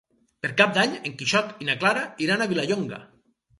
Per Cap d'Any en Quixot i na Clara iran a Vilallonga.